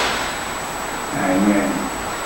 Ɛyan.